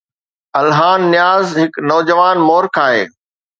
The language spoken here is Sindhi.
الهان نياز هڪ نوجوان مورخ آهي.